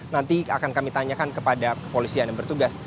nanti akan kami tanyakan kepada kepolisian yang bertugas